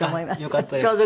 よかったです。